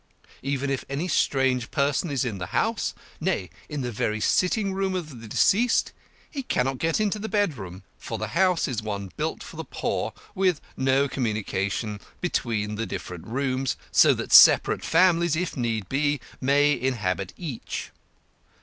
Even if any strange person is in the house, nay, in the very sitting room of the deceased, he cannot get into the bedroom, for the house is one built for the poor, with no communication between the different rooms, so that separate families, if need be, may inhabit each.